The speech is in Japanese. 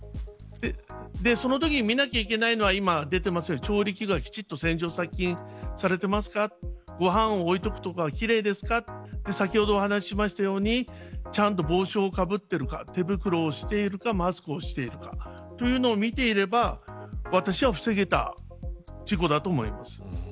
そのときに見なきゃいけないのは今、出ているように、調理器具がきちんと洗浄殺菌されていますかご飯を置いておく所は奇麗ですか先ほどお話したようにちゃんと帽子をかぶっているか手袋をしているかマスクをしているかというのを見ていれば私は防げた事故だと思います。